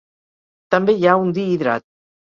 També hi ha un dihidrat.